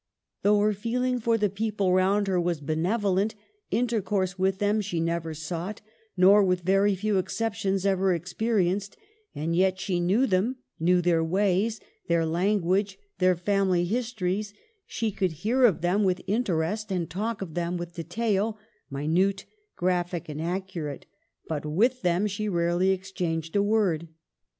Though her 208 EMILY BRONTE. feeling for the people round her was benevolent, intercourse with them she never sought, nor, with very few exceptions, ever experienced ; and yet she knew them, knew their ways, their lan guage, their family histories ; she could hear of them with rnterest and talk of them with detail, minute, graphic, and accurate ; but with them she rarely exchanged a word.